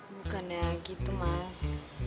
bukannya gitu mas